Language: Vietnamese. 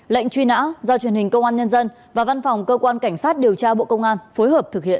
lệnh truy nã do truyền hình công an nhân dân và văn phòng cơ quan cảnh sát điều tra bộ công an phối hợp thực hiện